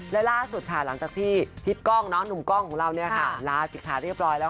และแล่บสุดผ่านหลังจากที่ฮิตก้องนุมกล้องของเรานั้นลาจิตราเรียบร้อยแล้ว